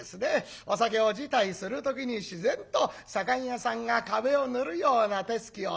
お酒を辞退する時に自然と左官屋さんが壁を塗るような手つきをする。